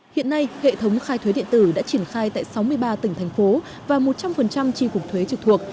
hiện nay hệ thống khai thuế điện tử đã triển khai tại sáu mươi ba tỉnh thành phố và một trăm linh tri cục thuế trực thuộc